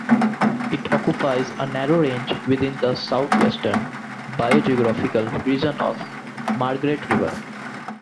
It occupies a narrow range within the southwestern biogeographical region of Margaret River.